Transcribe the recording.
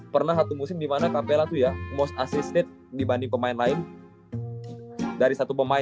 pernah satu musim dimana capella tuh ya most assisted dibanding pemain lain dari satu pemain